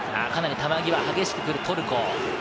かなり球際激しく来る、トルコ。